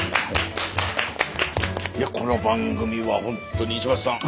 いやこの番組は本当に石橋さん。